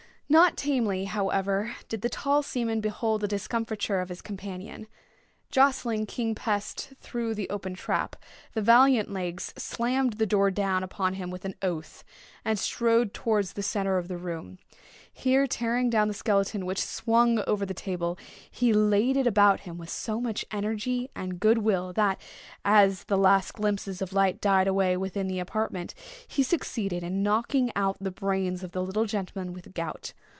Not tamely, however, did the tall seaman behold the discomfiture of his companion. Jostling King Pest through the open trap, the valiant Legs slammed the door down upon him with an oath, and strode towards the centre of the room. Here tearing down the skeleton which swung over the table, he laid it about him with so much energy and good will, that, as the last glimpses of light died away within the apartment, he succeeded in knocking out the brains of the little gentleman with the gout.